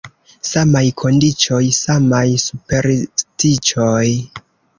Samaj kondiĉoj, samaj superstiĉoj.